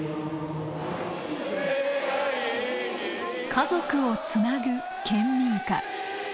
家族をつなぐ県民歌。